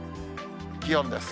気温です。